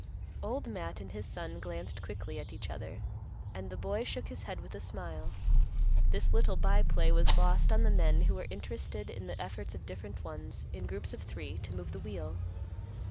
Old Matt and his son glanced quickly at each other, and the boy shook his head with a smile. This little by play was lost on the men who were interested in the efforts of different ones, in groups of three, to move the wheel.